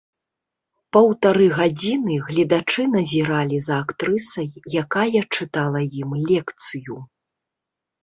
Паўтары гадзіны гледачы назіралі за актрысай, якая чытала ім лекцыю.